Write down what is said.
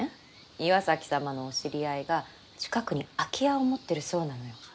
岩崎様のお知り合いが近くに空き家を持ってるそうなのよ。